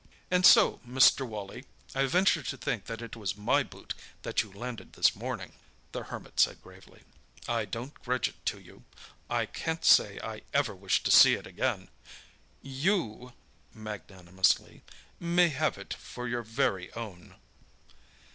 "And so, Mr. Wally, I venture to think that it was my boot that you landed this morning," the Hermit said gravely. "I don't grudge it to you; I can't say I ever wish to see it again. You"—magnanimously—"may have it for your very own!"